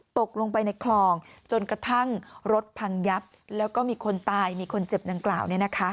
ตกลงไปในคลองจนกระทั่งรถพังยับแล้วก็มีคนตายมีคนเจ็บดังกล่าว